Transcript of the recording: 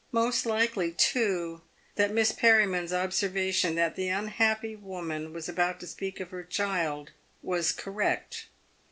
Most likely, too, that Miss Perriman's observa tion, that the unhappy woman was about to speak of her child, was correct.